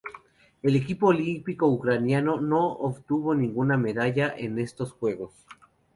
El equipo olímpico ucraniano no obtuvo ninguna medalla en estos Juegos.